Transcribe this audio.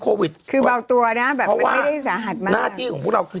โควิดคือเบาตัวนะแบบไม่ได้สาหรับมากหน้าที่ของปุ่นเราคือ